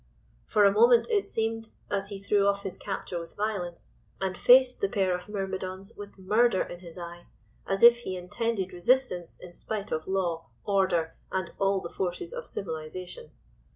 For a moment it seemed, as he threw off his captor with violence, and faced the pair of myrmidons with murder in his eye, as if he intended resistance in spite of law, order, and all the forces of civilisation.